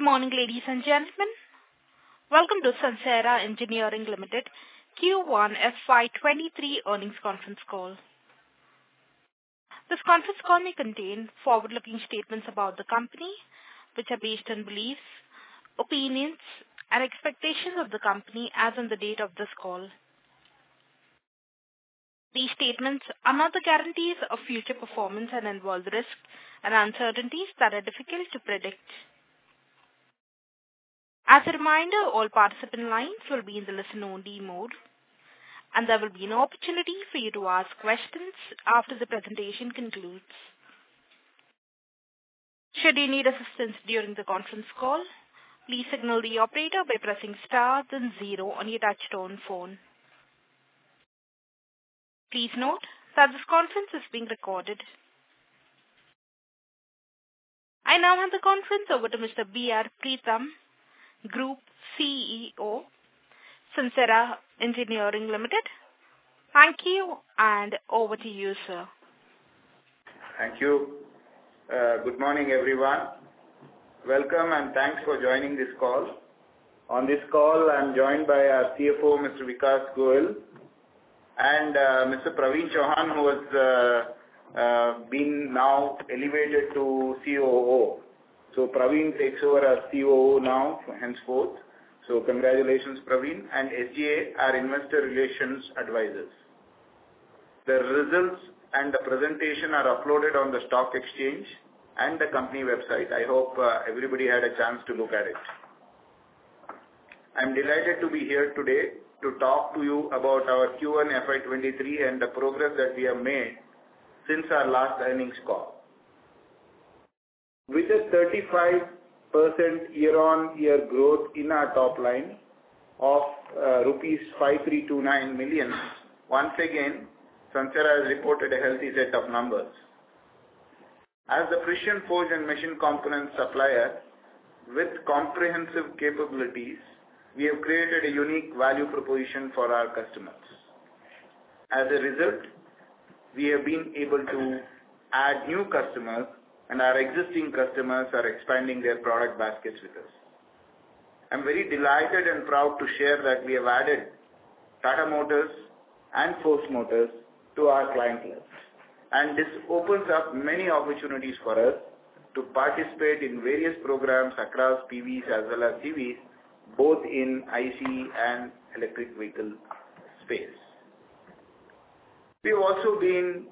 Good morning, ladies and gentlemen. Welcome to Sansera Engineering Limited Q1 FY23 earnings conference call. This conference call may contain forward-looking statements about the company, which are based on beliefs, opinions, and expectations of the company as on the date of this call. These statements are not the guarantees of future performance and involve risks and uncertainties that are difficult to predict. As a reminder, all participant lines will be in the listen-only mode, and there will be an opportunity for you to ask questions after the presentation concludes. Should you need assistance during the conference call, please signal the operator by pressing star, then 0 on your touch-tone phone. Please note that this conference is being recorded. I now hand the conference over to Mr. B. R. Preetham, Group CEO, Sansera Engineering Limited. Thank you, and over to you, sir. Thank you. Good morning, everyone. Welcome, and thanks for joining this call. On this call, I'm joined by our CFO, Mr. Vikas Goel, and Mr. Praveen Chauhan, who has been now elevated to COO. So Praveen takes over as COO now, henceforth. So congratulations, Praveen. And SGA, our investor relations advisor. The results and the presentation are uploaded on the stock exchange and the company website. I hope everybody had a chance to look at it. I'm delighted to be here today to talk to you about our Q1 FY23 and the progress that we have made since our last earnings call. With a 35% year-on-year growth in our top line of rupees 5,329 million, once again, Sansera has reported a healthy set of numbers. As the precision forged and machined components supplier, with comprehensive capabilities, we have created a unique value proposition for our customers. As a result, we have been able to add new customers, and our existing customers are expanding their product baskets with us. I'm very delighted and proud to share that we have added Tata Motors and Force Motors to our client list. And this opens up many opportunities for us to participate in various programs across PVs as well as CVs, both in ICE and electric vehicle space. We've also been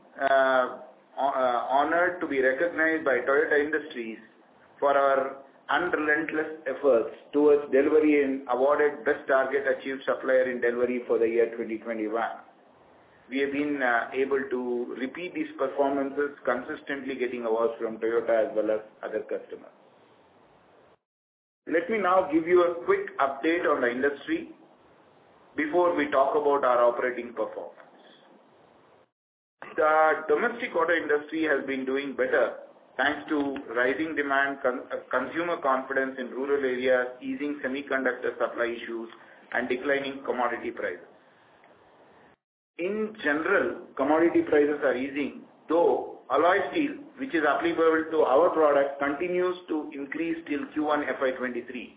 honored to be recognized by Toyota Industries for our unrelenting efforts towards delivery and awarded Best Target Achieved Supplier in Delivery for the year 2021. We have been able to repeat these performances, consistently getting awards from Toyota as well as other customers. Let me now give you a quick update on the industry before we talk about our operating performance. The domestic auto industry has been doing better thanks to rising demand, consumer confidence in rural areas, easing semiconductor supply issues, and declining commodity prices. In general, commodity prices are easing, though alloy steel, which is applicable to our product, continues to increase till Q1 FY23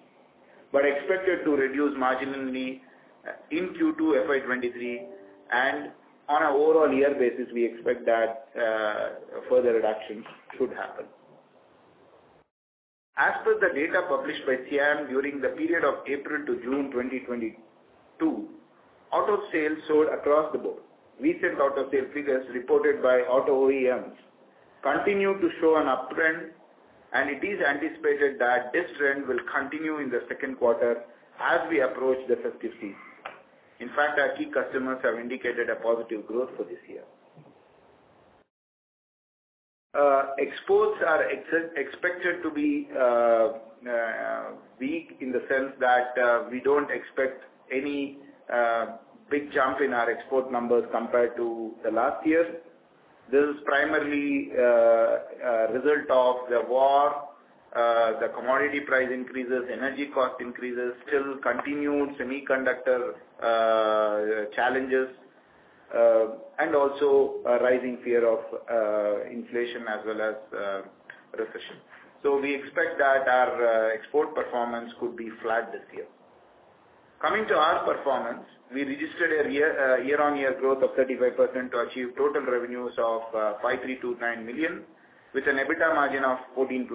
but expected to reduce marginally in Q2 FY23. On an overall year basis, we expect that further reductions should happen. As per the data published by SIAM during the period of April to June 2022, auto sales soared across the board. Recent auto sale figures reported by auto OEMs continue to show an uptrend, and it is anticipated that this trend will continue in the second quarter as we approach the festive season. In fact, our key customers have indicated a positive growth for this year Exports are expected to be weak in the sense that we don't expect any big jump in our export numbers compared to the last year. This is primarily a result of the war, the commodity price increases, energy cost increases, still continued semiconductor challenges, and also a rising fear of inflation as well as recession. So we expect that our export performance could be flat this year. Coming to our performance, we registered a year-on-year growth of 35% to achieve total revenues of 5,329 million, with an EBITDA margin of 14+%.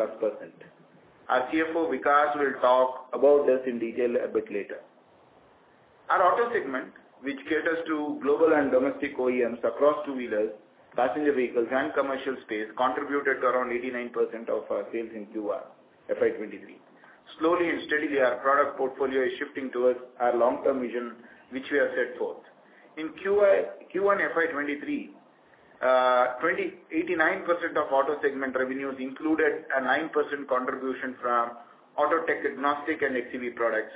Our CFO, Vikas, will talk about this in detail a bit later. Our auto segment, which caters to global and domestic OEMs across two-wheelers, passenger vehicles, and commercial space, contributed to around 89% of our sales in Q1 FY23. Slowly and steadily, our product portfolio is shifting towards our long-term vision, which we have set forth. In Q1 FY23, 89% of auto segment revenues included a 9% contribution from auto tech-agnostic and xEV products,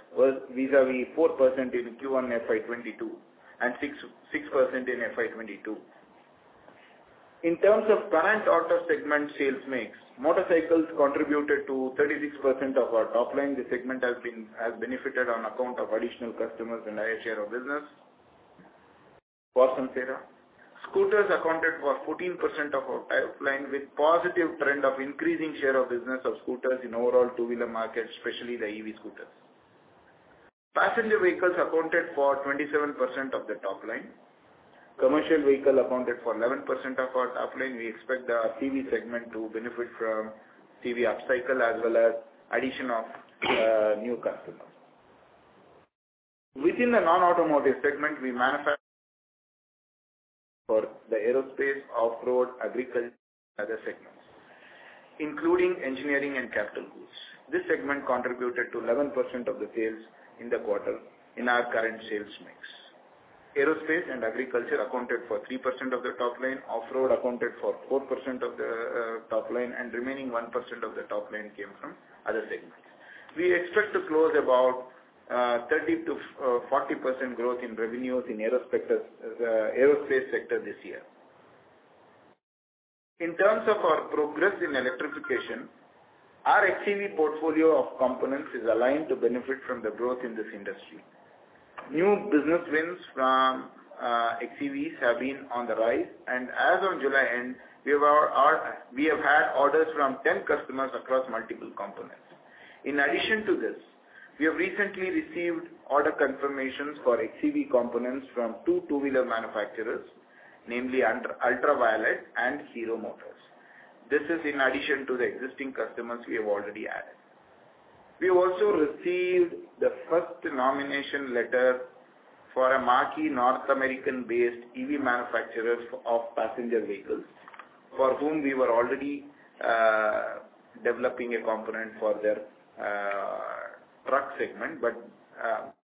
vis-à-vis 4% in Q1 FY22 and 6% in FY22. In terms of current auto segment sales mix, motorcycles contributed to 36% of our top line. The segment has benefited on account of additional customers and higher share of business for Sansera. Scooters accounted for 14% of our top line, with a positive trend of increasing share of business of scooters in the overall two-wheeler market, especially the EV scooters. Passenger vehicles accounted for 27% of the top line. Commercial vehicle accounted for 11% of our top line. We expect the PV segment to benefit from PV upcycle as well as addition of new customers. Within the non-automotive segment, we manufacture for the aerospace, off-road, agriculture, and other segments, including engineering and capital goods. This segment contributed to 11% of the sales in the quarter in our current sales mix. Aerospace and agriculture accounted for 3% of the top line. Off-road accounted for 4% of the top line, and the remaining 1% of the top line came from other segments. We expect to close about 30%-40% growth in revenues in the aerospace sector this year. In terms of our progress in electrification, our xEV portfolio of components is aligned to benefit from the growth in this industry. New business wins from xEVs have been on the rise, and as of July end, we have had orders from 10 customers across multiple components. In addition to this, we have recently received order confirmations for xEV components from two two-wheeler manufacturers, namely Ultraviolette and Hero Motors. This is in addition to the existing customers we have already added. We also received the first nomination letter for a marquee North American-based EV manufacturer of passenger vehicles, for whom we were already developing a component for their truck segment but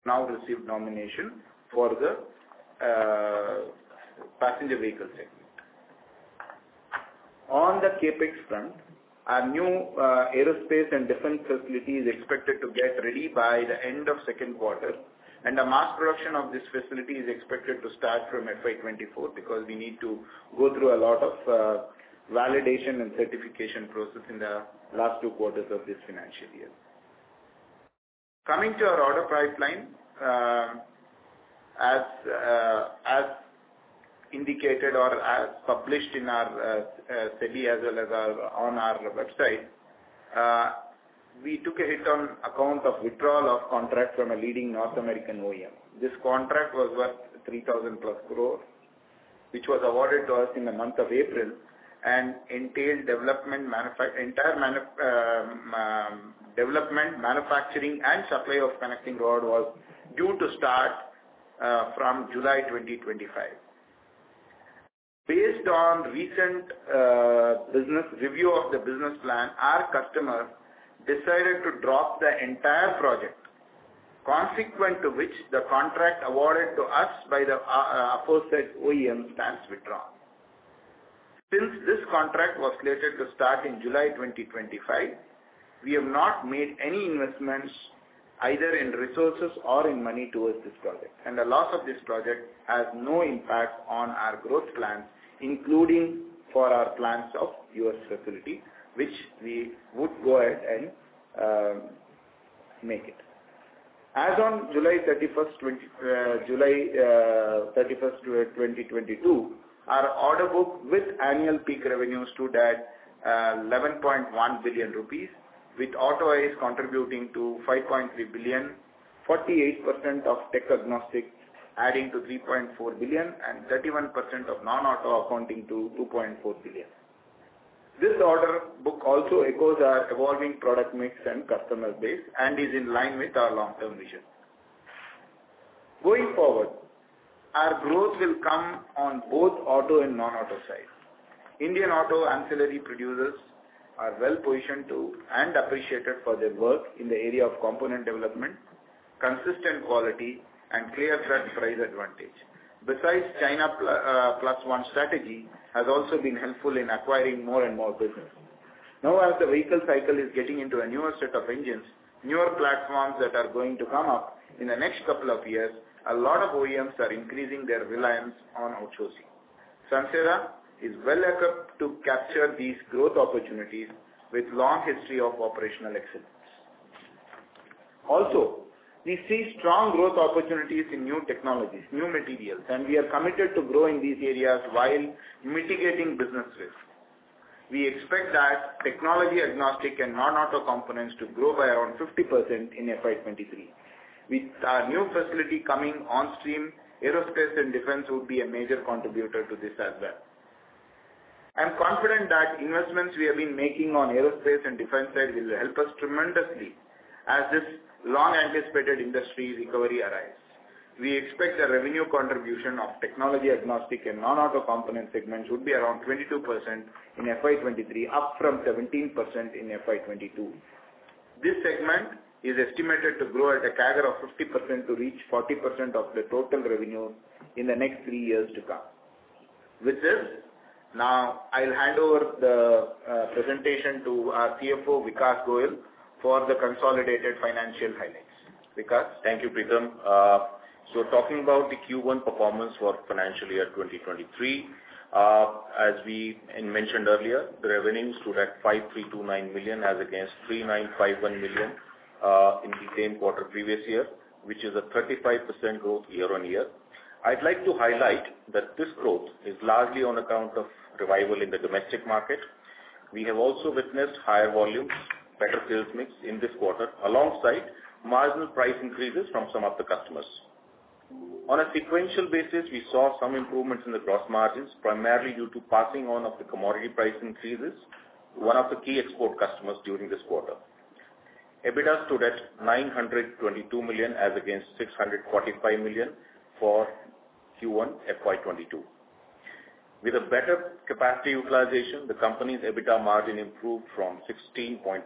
now received nomination for the passenger vehicle segment. On the CapEx front, our new aerospace and defense facility is expected to get ready by the end of second quarter, and the mass production of this facility is expected to start from FY 2024 because we need to go through a lot of validation and certification process in the last two quarters of this financial year. Coming to our order pipeline, as indicated or as published in our study as well as on our website, we took a hit on account of withdrawal of contract from a leading North American OEM. This contract was worth 3,000+ crore, which was awarded to us in the month of April. Entailed development manufacturing and supply of connecting rod was due to start from July 2025. Based on recent review of the business plan, our customer decided to drop the entire project, consequent to which the contract awarded to us by the aforementioned OEM stands withdrawn. Since this contract was slated to start in July 2025, we have not made any investments either in resources or in money towards this project. The loss of this project has no impact on our growth plans, including for our plans of U.S. facility, which we would go ahead and make it. As on July 31st, 2022, our order book with annual peak revenues stood at 11.1 billion rupees, with Auto ICE contributing to 5.3 billion, 48% of tech-agnostic adding to 3.4 billion, and 31% of non-auto accounting to 2.4 billion. This order book also echoes our evolving product mix and customer base and is in line with our long-term vision. Going forward, our growth will come on both auto and non-auto sides. Indian auto ancillary producers are well-positioned and appreciated for their work in the area of component development, consistent quality, and clear cost price advantage. Besides, China Plus One strategy has also been helpful in acquiring more and more business. Now, as the vehicle cycle is getting into a newer set of engines, newer platforms that are going to come up in the next couple of years, a lot of OEMs are increasing their reliance on outsourcing. Sansera is well-equipped to capture these growth opportunities with a long history of operational excellence. Also, we see strong growth opportunities in new technologies, new materials, and we are committed to growing these areas while mitigating business risks. We expect that technology-agnostic and non-auto components to grow by around 50% in FY23. With our new facility coming onstream, aerospace and defense would be a major contributor to this as well. I'm confident that investments we have been making on the aerospace and defense side will help us tremendously as this long-anticipated industry recovery arrives. We expect the revenue contribution of technology-agnostic and non-auto component segments would be around 22% in FY23, up from 17% in FY22. This segment is estimated to grow at a CAGR of 50% to reach 40% of the total revenue in the next three years to come. With this, now I'll hand over the presentation to our CFO, Vikas Goel, for the consolidated financial highlights. Vikas. Thank you, Preetham. So talking about the Q1 performance for financial year 2023, as we mentioned earlier, the revenues stood at 5,329 million as against 3,951 million in the same quarter previous year, which is a 35% growth year-on-year. I'd like to highlight that this growth is largely on account of revival in the domestic market. We have also witnessed higher volumes, better sales mix in this quarter, alongside marginal price increases from some of the customers. On a sequential basis, we saw some improvements in the gross margins, primarily due to passing on of the commodity price increases. One of the key export customers during this quarter, EBITDA stood at 922 million as against 645 million for Q1 FY22. With a better capacity utilization, the company's EBITDA margin improved from 16.3%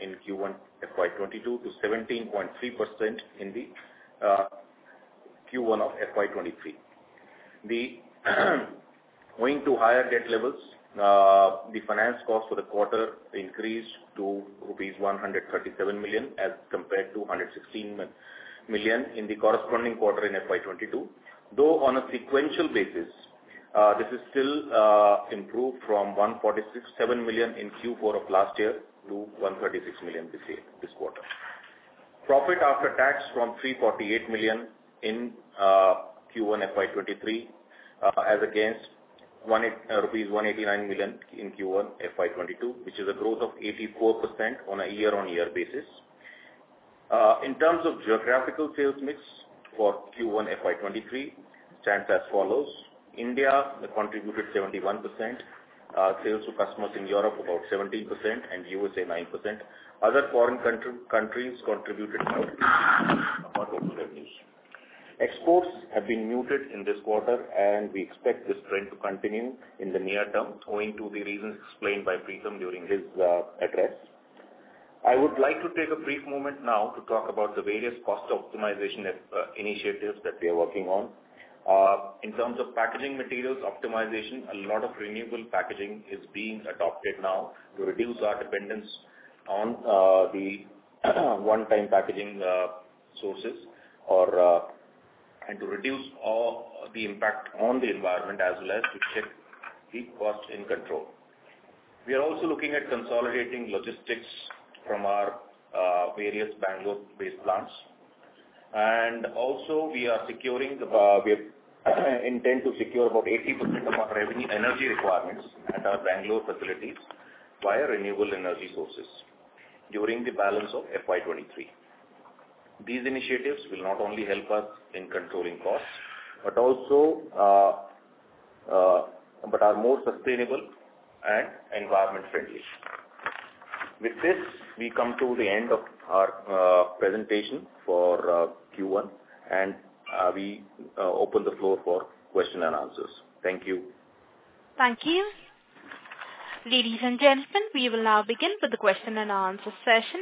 in Q1 FY22 to 17.3% in the Q1 of FY23. Going to higher debt levels, the finance cost for the quarter increased to rupees 137 million as compared to 116 million in the corresponding quarter in FY22. Though on a sequential basis, this is still improved from 147 million in Q4 of last year to 136 million this quarter. Profit after tax from 348 million in Q1 FY23 as against rupees 189 million in Q1 FY22, which is a growth of 84% on a year-on-year basis. In terms of geographical sales mix for Q1 FY23, it stands as follows: India contributed 71%, sales to customers in Europe about 17%, and USA 9%. Other foreign countries contributed about 80% of our total revenues. Exports have been muted in this quarter, and we expect this trend to continue in the near term, owing to the reasons explained by Preetham during his address. I would like to take a brief moment now to talk about the various cost optimization initiatives that we are working on. In terms of packaging materials optimization, a lot of renewable packaging is being adopted now to reduce our dependence on the one-time packaging sources and to reduce the impact on the environment as well as to keep costs in control. We are also looking at consolidating logistics from our various Bengaluru-based plants. And also, we intend to secure about 80% of our energy requirements at our Bengaluru facilities via renewable energy sources during the balance of FY23. These initiatives will not only help us in controlling costs but are more sustainable and environment-friendly. With this, we come to the end of our presentation for Q1, and we open the floor for questions and answers. Thank you. Thank you. Ladies and gentlemen, we will now begin with the question-and-answer session.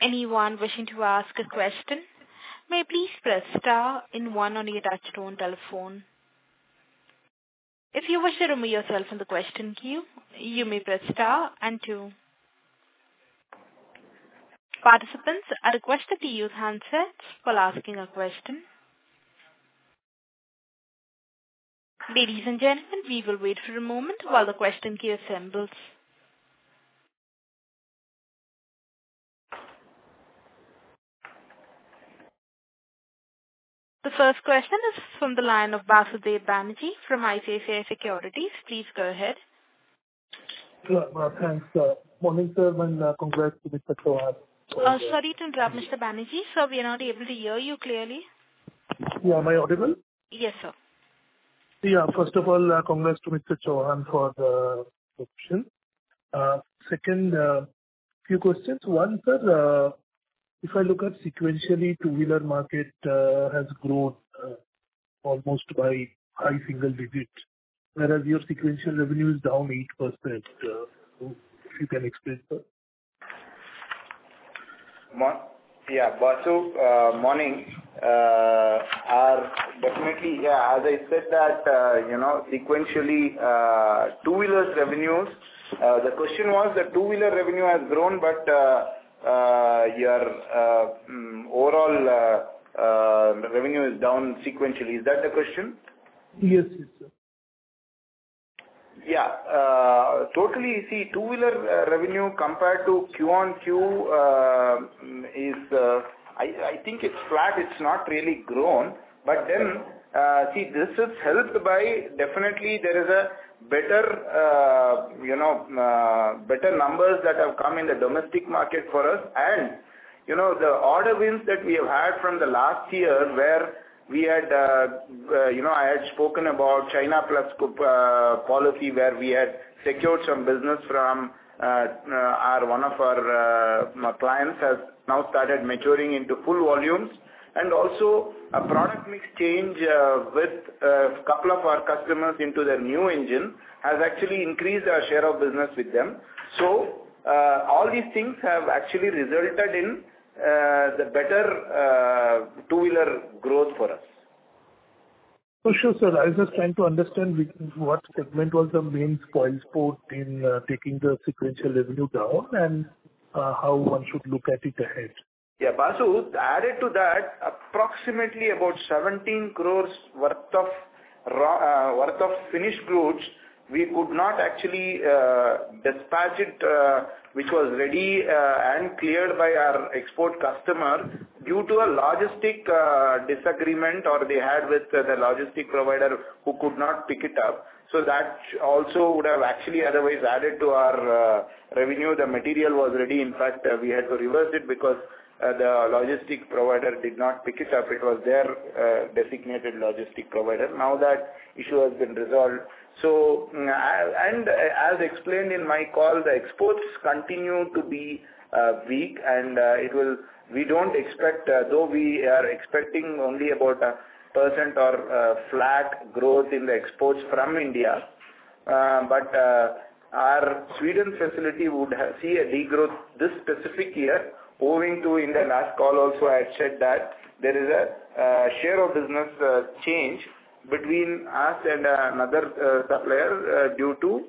Anyone wishing to ask a question may please press star one on one of your touch-tone telephones. If you wish to remain yourself in the question queue, you may press star two. Participants are requested to use handsets while asking a question. Ladies and gentlemen, we will wait for a moment while the question queue assembles. The first question is from the line of Basudeb Banerjee from ICICI Securities. Please go ahead. Hello. Thanks. Morning, sir, and congrats to Mr. Chauhan. Sorry to interrupt, Mr. Banerjee. Sir, we are not able to hear you clearly. Yeah. Am I audible? Yes, sir. Yeah. First of all, congrats to Mr. Chauhan for the question. Second, a few questions. One, sir, if I look at sequentially, two-wheeler market has grown almost by high single digit, whereas your sequential revenue is down 8%. If you can explain, sir? Yeah. Basu, morning. Definitely, yeah, as I said that sequentially, two-wheeler revenues the question was that two-wheeler revenue has grown, but your overall revenue is down sequentially. Is that the question? Yes. Yes, sir. Yeah. Totally, see, two-wheeler revenue compared to quarter-on-quarter is, I think it's flat. It's not really grown. But then, see, this is helped by definitely, there is better numbers that have come in the domestic market for us. And the order wins that we have had from the last year where we had I had spoken about China Plus One where we had secured some business from one of our clients has now started maturing into full volumes. And also, a product mix change with a couple of our customers into their new engine has actually increased our share of business with them. So all these things have actually resulted in the better two-wheeler growth for us. For sure, sir. I was just trying to understand what segment was the main spoilsport in taking the sequential revenue down and how one should look at it ahead. Yeah. Basu, added to that, approximately about 17 crore worth of finished goods, we could not actually dispatch it, which was ready and cleared by our export customer due to a logistic disagreement or they had with the logistic provider who could not pick it up. So that also would have actually otherwise added to our revenue. The material was ready. In fact, we had to reverse it because the logistic provider did not pick it up. It was their designated logistic provider. Now that issue has been resolved. As explained in my call, the exports continue to be weak, and we don't expect though we are expecting only about 1% or flat growth in the exports from India. But our Sweden facility would see a degrowth this specific year. Owing to, in the last call also, I had said that there is a share of business change between us and another supplier due to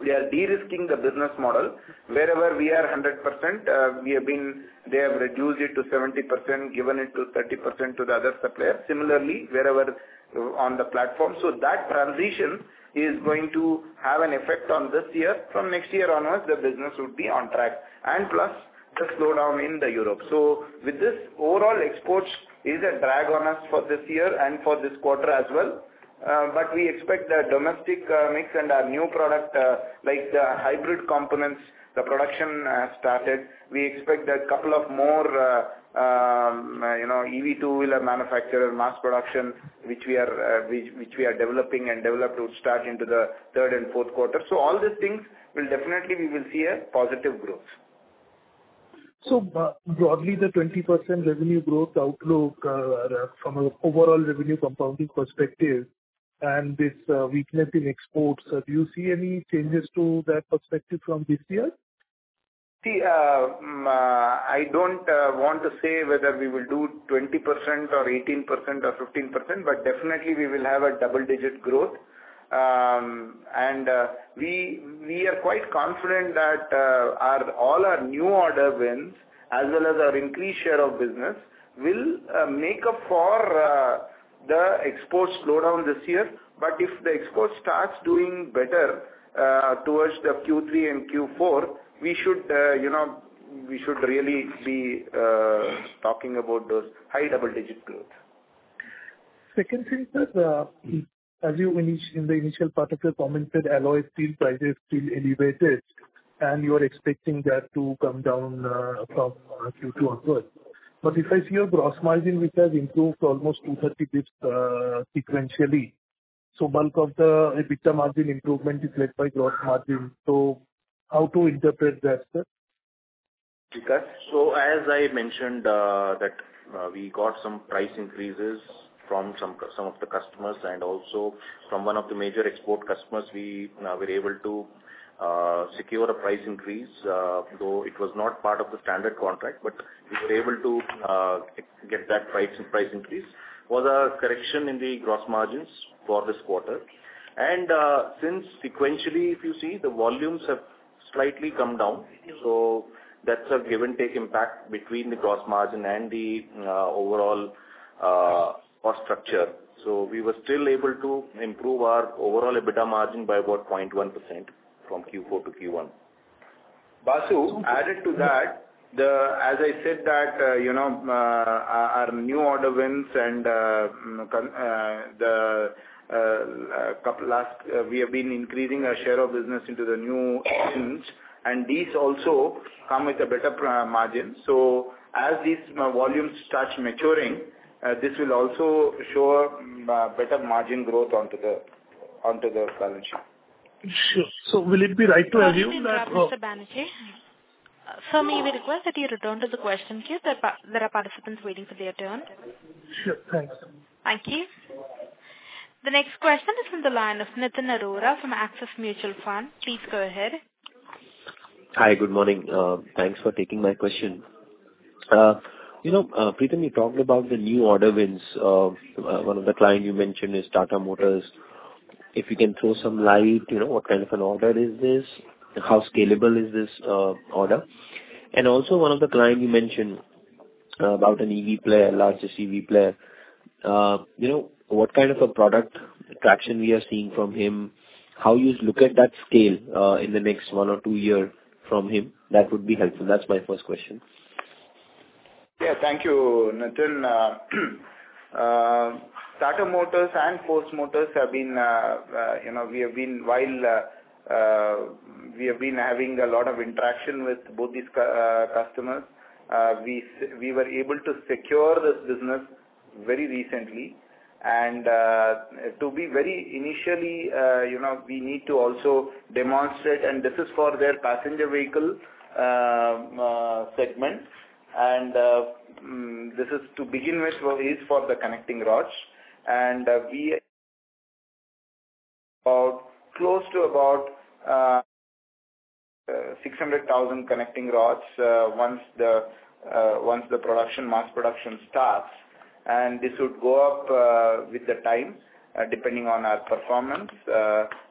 we are de-risking the business model. Wherever we are 100%, they have reduced it to 70%, given it to 30% to the other supplier, similarly wherever on the platform. So that transition is going to have an effect on this year. From next year onwards, the business would be on track and plus the slowdown in Europe. So with this, overall exports is a drag on us for this year and for this quarter as well. But we expect the domestic mix and our new product like the hybrid components, the production has started. We expect a couple of more EV two-wheeler manufacturer mass production, which we are developing and developed to start into the third and fourth quarter. All these things, definitely, we will see a positive growth. Broadly, the 20% revenue growth outlook from an overall revenue compounding perspective and this weakness in exports, do you see any changes to that perspective from this year? See, I don't want to say whether we will do 20% or 18% or 15%, but definitely, we will have a double-digit growth. We are quite confident that all our new order wins as well as our increased share of business will make up for the export slowdown this year. If the export starts doing better towards the Q3 and Q4, we should really be talking about those high double-digit growth. Second thing, sir, as you in the initial part of your comment said, alloy steel prices still elevated, and you are expecting that to come down from Q2 onwards. But if I see a gross margin which has improved almost 230 basis points sequentially, so bulk of the EBITDA margin improvement is led by gross margin. So how to interpret that, sir? So as I mentioned that we got some price increases from some of the customers. And also, from one of the major export customers, we were able to secure a price increase, though it was not part of the standard contract. But we were able to get that price increase. It was a correction in the gross margins for this quarter. And since sequentially, if you see, the volumes have slightly come down. So that's a give-and-take impact between the gross margin and the overall cost structure. So we were still able to improve our overall EBITDA margin by about 0.1% from Q4 to Q1. Basu, added to that, as I said that our new order wins and lately we have been increasing our share of business into the new OEMs. And these also come with a better margin. So as these volumes start maturing, this will also show better margin growth onto the balance sheet. Sure. So will it be right to have you? Thank you very much, Mr. Banerjee. Sir, may we request that you return to the question queue? There are participants waiting for their turn. Sure. Thanks. Thank you. The next question is from the line of Nitin Arora from Axis Mutual Fund. Please go ahead. Hi. Good morning. Thanks for taking my question. Preetham, you talked about the new order wins. One of the clients you mentioned is Tata Motors. If you can throw some light, what kind of an order is this? How scalable is this order? And also, one of the clients you mentioned about an EV player, largest EV player, what kind of a product traction we are seeing from him? How you look at that scale in the next one or two years from him, that would be helpful. That's my first question. Yeah. Thank you, Nitin. Tata Motors and Force Motors, we have been having a lot of interaction with both these customers. We were able to secure this business very recently. And to be very initially, we need to also demonstrate, and this is for their passenger vehicle segment. And this is to begin with is for the connecting rods. And we are close to about 600,000 connecting rods once the mass production starts. And this would go up with the time depending on our performance.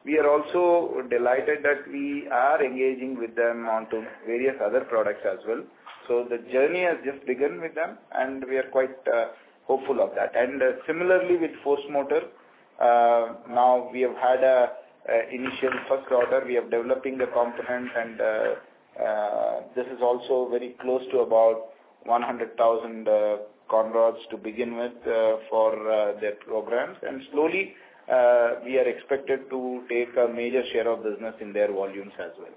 We are also delighted that we are engaging with them onto various other products as well. So the journey has just begun with them, and we are quite hopeful of that. And similarly, with Force Motors, now we have had an initial first order. We are developing the component, and this is also very close to about 100,000 conrods to begin with for their programs. And slowly, we are expected to take a major share of business in their volumes as well.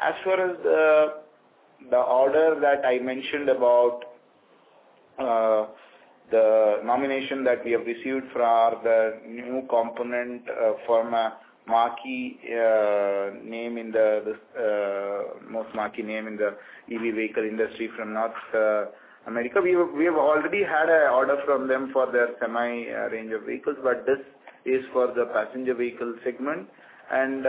As far as the order that I mentioned about the nomination that we have received for the new component from a marquee name in the most marquee name in the EV vehicle industry from North America, we have already had an order from them for their Semi range of vehicles. But this is for the passenger vehicle segment. And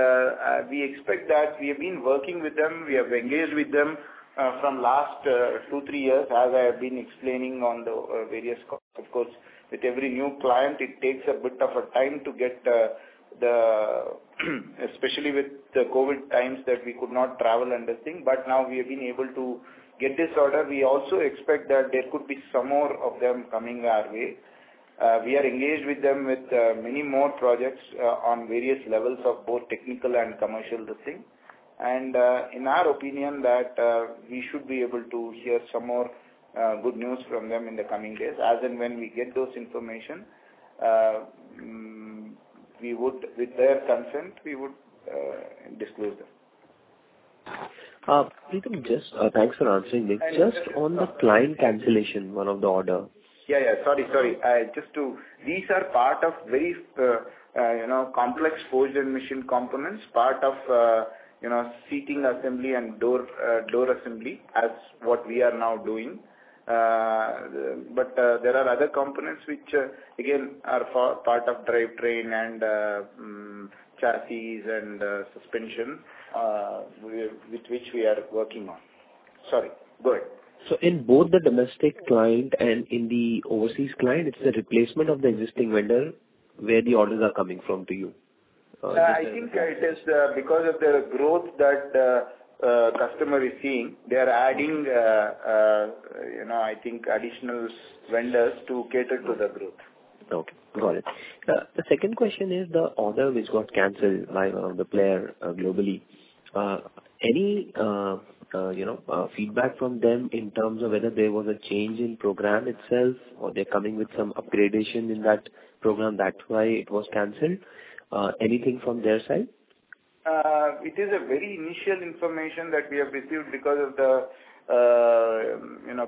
we expect that we have been working with them. We have engaged with them from last two, three years, as I have been explaining on the various of course, with every new client, it takes a bit of a time to get especially with the COVID times that we could not travel and this thing. But now we have been able to get this order. We also expect that there could be some more of them coming our way. We are engaged with them with many more projects on various levels of both technical and commercial, this thing. And in our opinion, that we should be able to hear some more good news from them in the coming days. As in when we get those information, with their consent, we would disclose them. Preetham, just thanks for answering. Just on the client cancellation, one of the order. Yeah. Yeah. Sorry. Sorry. Just, these are part of very complex forged emission components, part of seating assembly and door assembly as what we are now doing. But there are other components which, again, are part of drivetrain and chassis and suspension with which we are working on. Sorry. Go ahead. So in both the domestic client and in the overseas client, it's the replacement of the existing vendor where the orders are coming from to you? Yeah. I think it is because of the growth that customer is seeing, they are adding, I think, additional vendors to cater to the growth. Okay. Got it. The second question is the order which got canceled by one of the players globally. Any feedback from them in terms of whether there was a change in program itself or they're coming with some upgradation in that program that's why it was canceled? Anything from their side? It is a very initial information that we have received because of the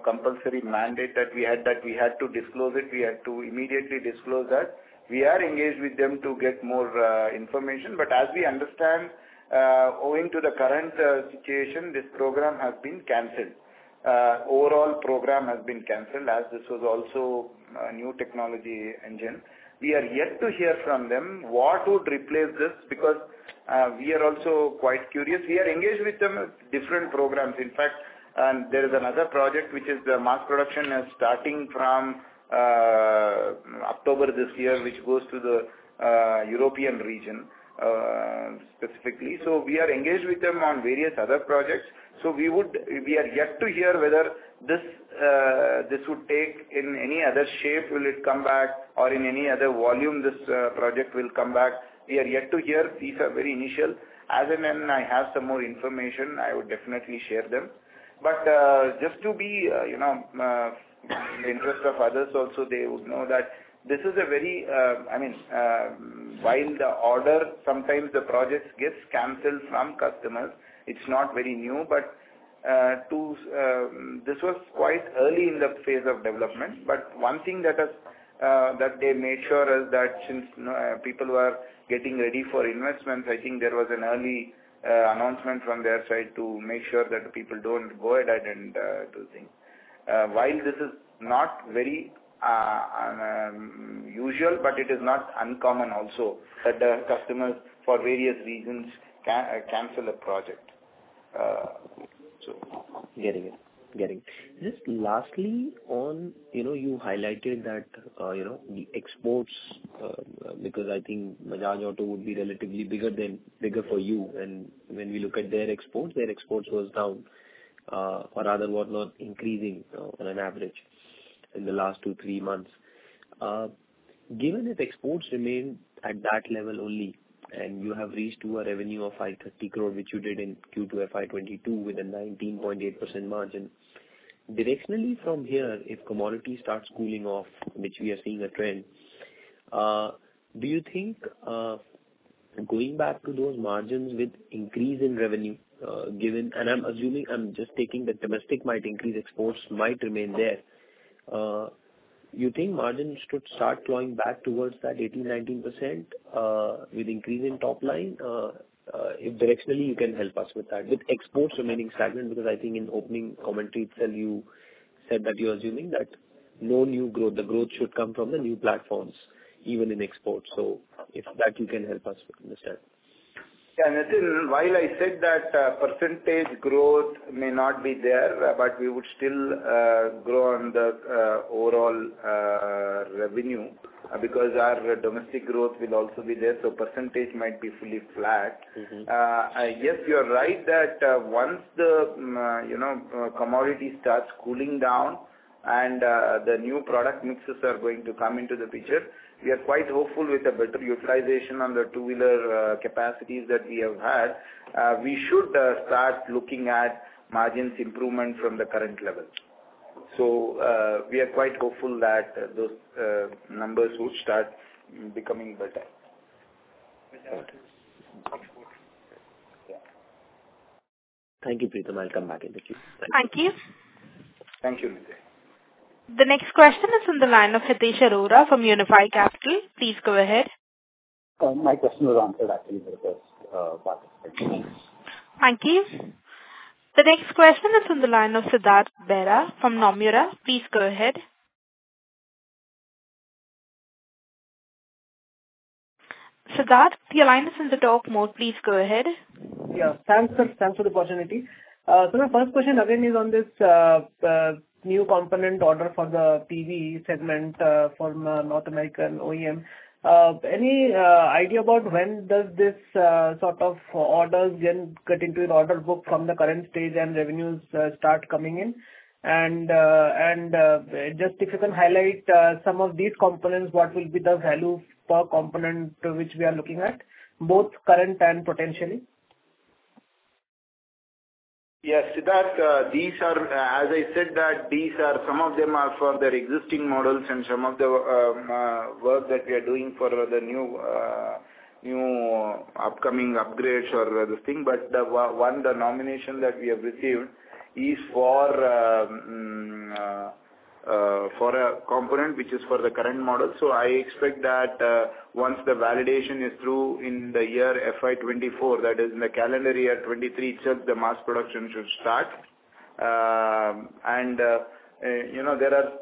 compulsory mandate that we had that we had to disclose it. We had to immediately disclose that. We are engaged with them to get more information. But as we understand, owing to the current situation, this program has been canceled. Overall program has been canceled as this was also a new technology engine. We are yet to hear from them what would replace this because we are also quite curious. We are engaged with them different programs. In fact, there is another project which is the mass production starting from October this year, which goes to the European region specifically. So we are engaged with them on various other projects. So we are yet to hear whether this would take in any other shape. Will it come back or in any other volume this project will come back? We are yet to hear. These are very initial. As in, I have some more information, I would definitely share them. But just to be in the interest of others also, they would know that this is a very I mean, while the order sometimes the projects gets canceled from customers, it's not very new. But this was quite early in the phase of development. But one thing that they made sure is that since people were getting ready for investments, I think there was an early announcement from their side to make sure that people don't go ahead and do things. While this is not very usual, but it is not uncommon also that customers for various reasons cancel a project, so. Getting it. Getting it. Just lastly, you highlighted that the exports because I think Bajaj Auto would be relatively bigger for you. And when we look at their exports, their exports was down or rather whatnot increasing on an average in the last two-three months. Given that exports remain at that level only and you have reached to a revenue of 530 crore, which you did in Q2 FY22 with a 19.8% margin, directionally from here, if commodities start cooling off, which we are seeing a trend, do you think going back to those margins with increase in revenue given and I'm assuming I'm just taking that domestic might increase, exports might remain there. You think margins should start flowing back towards that 18%-19% with increase in top line? If directionally, you can help us with that with exports remaining stagnant because I think in opening commentary itself, you said that you're assuming that no new growth the growth should come from the new platforms even in exports. So if that, you can help us with understand. Yeah. Nitin, while I said that percentage growth may not be there, but we would still grow on the overall revenue because our domestic growth will also be there. So percentage might be fully flat. Yes, you're right that once the commodity starts cooling down and the new product mixes are going to come into the picture, we are quite hopeful with a better utilization on the two-wheeler capacities that we have had. We should start looking at margins improvement from the current level. So we are quite hopeful that those numbers would start becoming better. Thank you, Preetham. I'll come back in a few. Thank you. Thank you. Thank you, Nitin. The next question is from the line of Hitesh Arora from Unifi Capital. Please go ahead. My question was answered actually by the first participant. Thanks. Thank you. The next question is from the line of Siddhartha Bera from Nomura. Please go ahead. Siddhartha, the line is in the talk mode. Please go ahead. Yeah. Thanks for the opportunity. So my first question again is on this new component order for the PV segment from North American OEM. Any idea about when does this sort of order then get into the order book from the current stage and revenues start coming in? And just if you can highlight some of these components, what will be the value per component which we are looking at, both current and potentially? Yes. Siddharth, as I said that some of them are for their existing models and some of the work that we are doing for the new upcoming upgrades or this thing. But one, the nomination that we have received is for a component which is for the current model. So I expect that once the validation is through in the year FY24, that is in the calendar year 2023 itself, the mass production should start. And there are a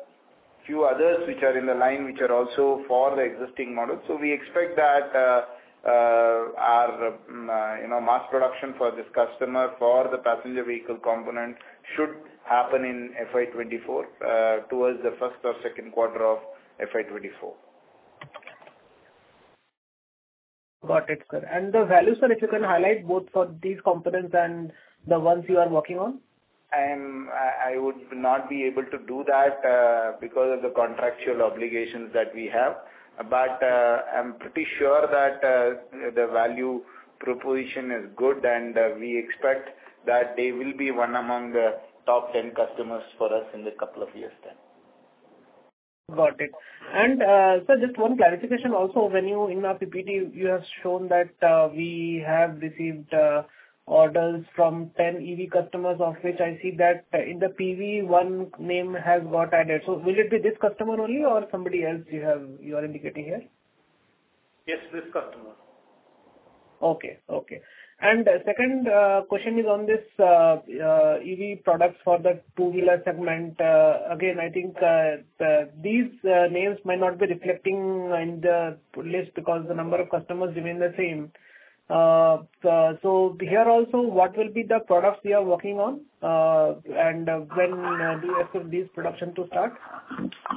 few others which are in the line which are also for the existing models. So we expect that our mass production for this customer for the passenger vehicle component should happen in FY24 towards the first or second quarter of FY24. Got it, sir. And the value, sir, if you can highlight both for these components and the ones you are working on? I would not be able to do that because of the contractual obligations that we have. But I'm pretty sure that the value proposition is good, and we expect that they will be one among the top 10 customers for us in the couple of years to come. Got it. Sir, just one clarification also. When you in our PPT, you have shown that we have received orders from 10 EV customers, of which I see that in the PV, one name has got added. So will it be this customer only or somebody else you are indicating here? Yes, this customer. Okay. Okay. And the second question is on this EV products for the two-wheeler segment. Again, I think these names might not be reflecting in the list because the number of customers remain the same. So here also, what will be the products we are working on and when do you expect these production to start?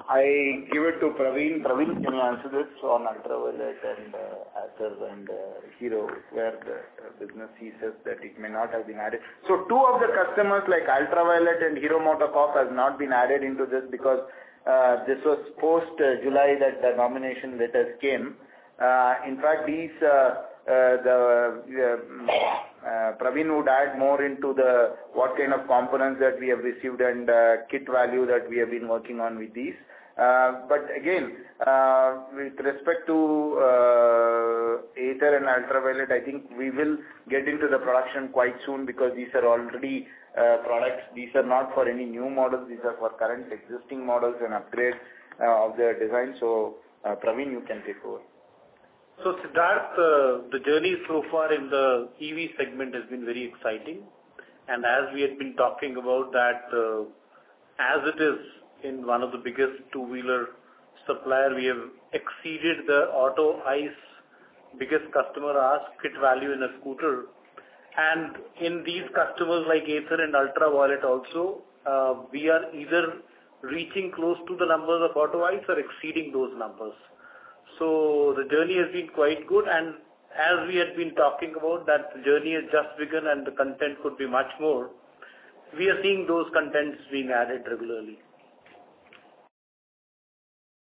I give it to Praveen. Praveen, can you answer this? So on Ultraviolette and Ather and Hero, where the business he says that it may not have been added. So two of the customers like Ultraviolette and Hero MotoCorp has not been added into this because this was post-July that the nomination letters came. In fact, Praveen would add more into the what kind of components that we have received and kit value that we have been working on with these. But again, with respect to Ather and Ultraviolette, I think we will get into the production quite soon because these are already products. These are not for any new models. These are for current existing models and upgrades of their design. So Praveen, you can take over. So Siddhartha, the journey so far in the EV segment has been very exciting. And as we had been talking about that, as it is in one of the biggest two-wheeler supplier, we have exceeded the Bajaj Auto, biggest customer asked, kit value in a scooter. And in these customers like Ather and Ultraviolette also, we are either reaching close to the numbers of Bajaj Auto or exceeding those numbers. So the journey has been quite good. And as we had been talking about, that journey has just begun, and the content could be much more. We are seeing those contents being added regularly.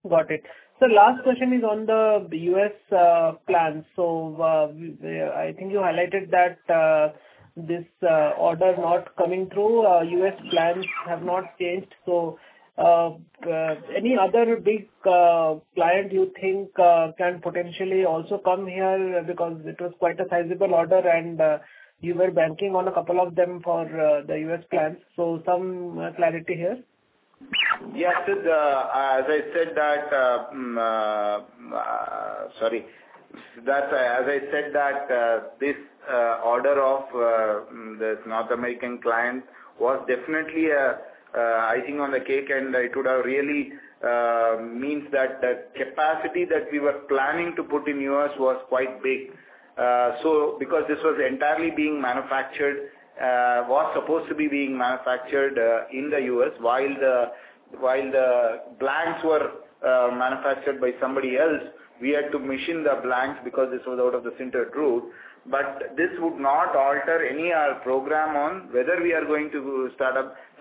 Got it. So last question is on the U.S. plans. So I think you highlighted that this order not coming through. U.S. plans have not changed. Any other big client you think can potentially also come here because it was quite a sizable order, and you were banking on a couple of them for the U.S. plans? Some clarity here. Yes. As I said that this order of this North American client was definitely an icing on the cake, and it would really mean that the capacity that we were planning to put in U.S. was quite big because this was supposed to be entirely being manufactured in the U.S. While the blanks were manufactured by somebody else, we had to machine the blanks because this was out of the sintered route. But this would not alter any of our program on whether we are going to start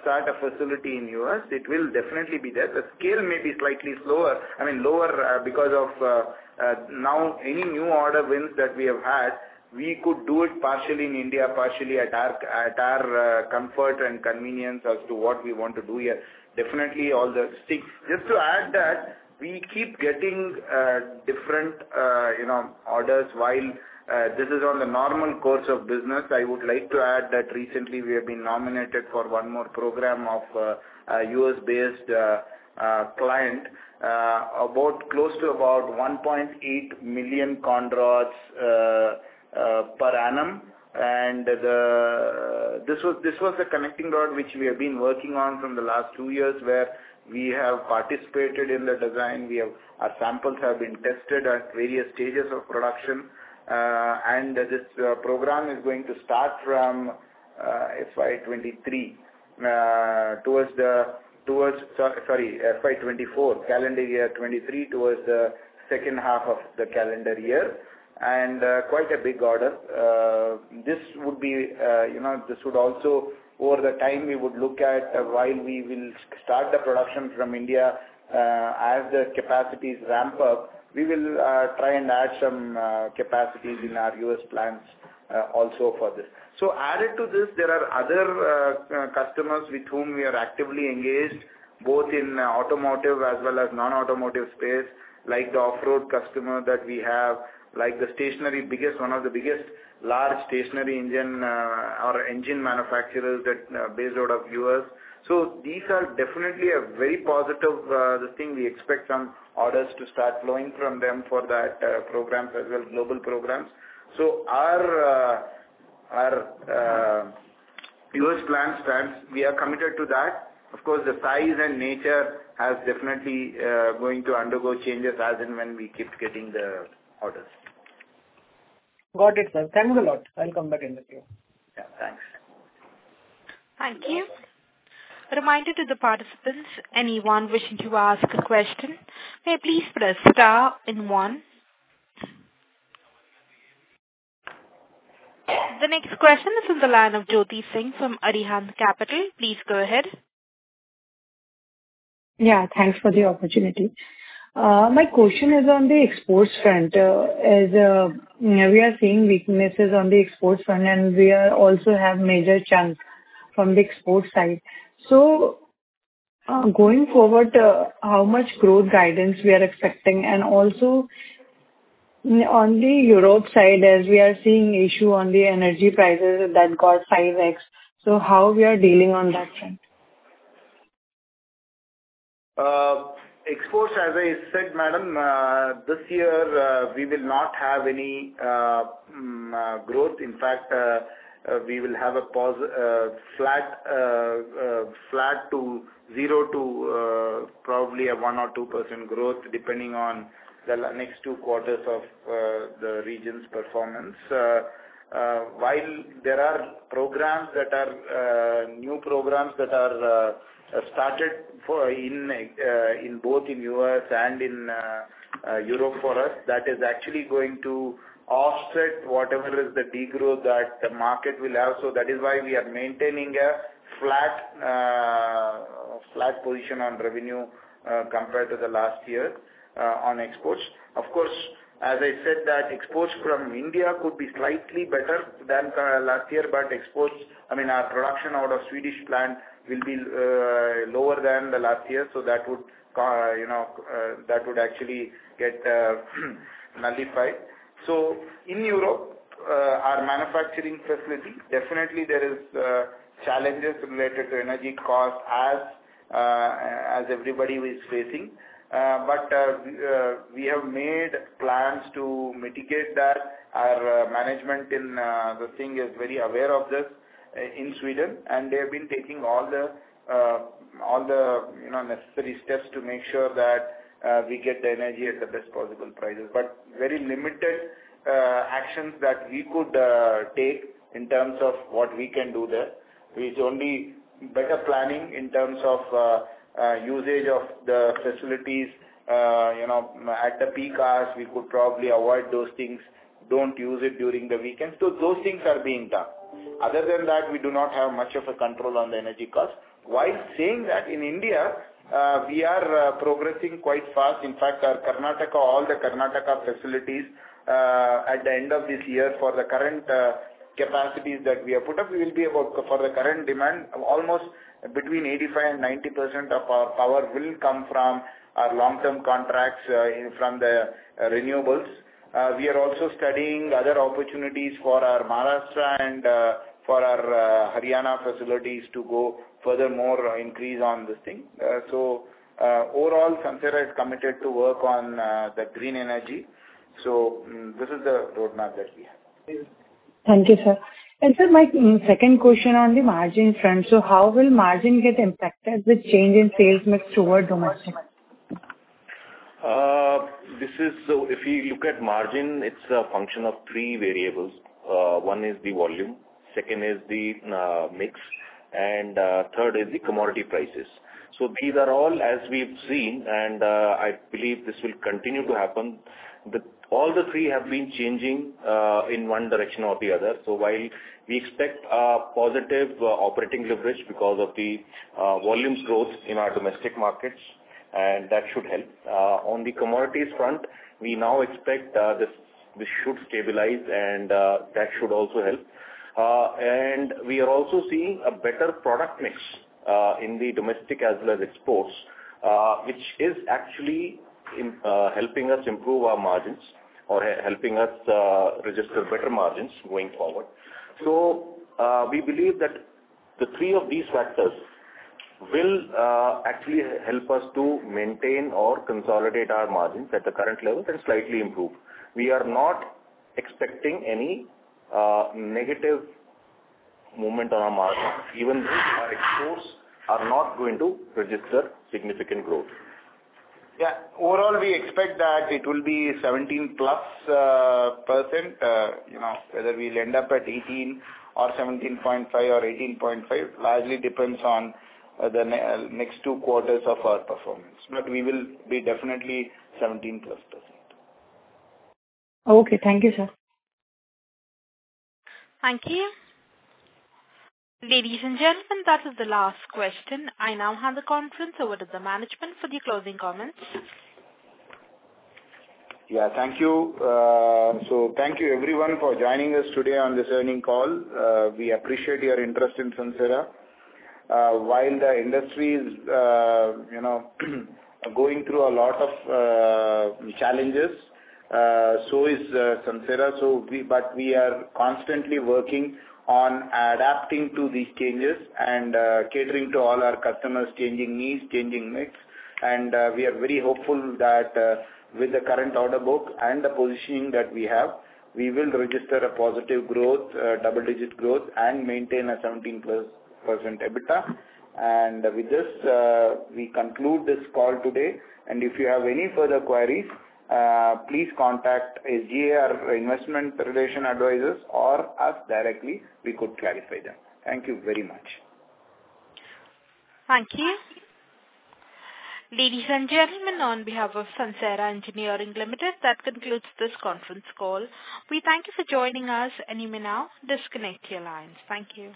a facility in U.S. It will definitely be there. The scale may be slightly slower I mean, lower because now any new order wins that we have had, we could do it partially in India, partially at our comfort and convenience as to what we want to do here. Definitely, just to add that, we keep getting different orders while this is on the normal course of business. I would like to add that recently, we have been nominated for one more program of a U.S.-based client close to about 1.8 million conrods per annum. And this was the connecting rod which we have been working on from the last two years where we have participated in the design. Our samples have been tested at various stages of production. And this program is going to start from FY2023 towards the – sorry, FY2024, calendar year 2023 towards the second half of the calendar year. And quite a big order. This would be this would also, over the time, we would look at while we will start the production from India as the capacities ramp up. We will try and add some capacities in our U.S. plans also for this. So added to this, there are other customers with whom we are actively engaged both in automotive as well as non-automotive space like the off-road customer that we have like the stationary biggest one of the biggest large stationary engine or engine manufacturers that based out of U.S. So these are definitely a very positive the thing we expect some orders to start flowing from them for that programs as well, global programs. So our U.S. plans stands. We are committed to that. Of course, the size and nature has definitely going to undergo changes as in when we keep getting the orders. Got it, sir. Thanks a lot. I'll come back in a few. Yeah. Thanks. Thank you. Reminder to the participants, anyone wishing to ask a question, may please press star one. The next question is from the line of Jyoti Singh from Arihant Capital. Please go ahead. Yeah. Thanks for the opportunity. My question is on the exports front. We are seeing weaknesses on the exports front, and we also have major chunks from the export side. So going forward, how much growth guidance we are expecting? And also on the Europe side, as we are seeing issue on the energy prices that got 5x, so how we are dealing on that front? Exports, as I said, madam, this year, we will not have any growth. In fact, we will have a flat to 0 to probably a 1% or 2% growth depending on the next two quarters of the region's performance. While there are programs that are new programs that are started both in U.S. and in Europe for us, that is actually going to offset whatever is the degrowth that the market will have. So that is why we are maintaining a flat position on revenue compared to the last year on exports. Of course, as I said, that exports from India could be slightly better than last year. But I mean, our production out of Swedish plant will be lower than the last year. So that would actually get nullified. So in Europe, our manufacturing facility, definitely, there are challenges related to energy cost as everybody is facing. But we have made plans to mitigate that. Our management in the thing is very aware of this in Sweden, and they have been taking all the necessary steps to make sure that we get the energy at the best possible prices. But very limited actions that we could take in terms of what we can do there. It's only better planning in terms of usage of the facilities. At the peak hours, we could probably avoid those things. Don't use it during the weekends. So those things are being done. Other than that, we do not have much of a control on the energy cost. While saying that, in India, we are progressing quite fast. In fact, all the Karnataka facilities at the end of this year for the current capacities that we have put up, we will be about for the current demand, almost between 85% and 90% of our power will come from our long-term contracts from the renewables. We are also studying other opportunities for our Maharashtra and for our Haryana facilities to go furthermore increase on this thing. So overall, Sansera is committed to work on the green energy. So this is the roadmap that we have. Thank you, sir. And sir, my second question on the margin front. So how will margin get impacted with change in sales mix toward domestic? So if you look at margin, it's a function of three variables. One is the volume. Second is the mix. And third is the commodity prices. So these are all as we've seen, and I believe this will continue to happen. All the three have been changing in one direction or the other. So while we expect a positive operating leverage because of the volume growth in our domestic markets, and that should help. On the commodities front, we now expect this should stabilize, and that should also help. And we are also seeing a better product mix in the domestic as well as exports, which is actually helping us improve our margins or helping us register better margins going forward. So we believe that the three of these factors will actually help us to maintain or consolidate our margins at the current level and slightly improve. We are not expecting any negative movement on our margins even though our exports are not going to register significant growth. Yeah. Overall, we expect that it will be 17%+ whether we'll end up at 18 or 17.5 or 18.5. Largely depends on the next two quarters of our performance. But we will be definitely 17%+. Okay. Thank you, sir. Thank you. Ladies and gentlemen, that is the last question. I now have the conference over to the management for the closing comments. Yeah. Thank you. So thank you, everyone, for joining us today on this earnings call. We appreciate your interest in Sansera. While the industry is going through a lot of challenges, so is Sansera. But we are constantly working on adapting to these changes and catering to all our customers' changing needs, changing mix. And we are very hopeful that with the current order book and the positioning that we have, we will register a positive growth, double-digit growth, and maintain a 17%+ EBITDA. And with this, we conclude this call today. And if you have any further queries, please contact SGA Investor Relations Advisors or us directly. We could clarify them. Thank you very much. Thank you. Ladies and gentlemen, on behalf of Sansera Engineering Limited, that concludes this conference call. We thank you for joining us. You may now disconnect your lines. Thank you.